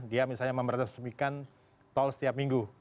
dia misalnya memeresmikan tol setiap minggu